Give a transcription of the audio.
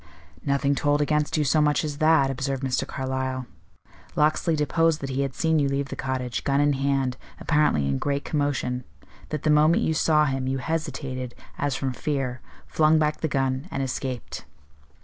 "Nothing told against you so much as that," observed Mr. Carlyle. "Locksley deposed that he had seen you leave the cottage, gun in hand, apparently in great commotion; that the moment you saw him, you hesitated, as from fear, flung back the gun, and escaped."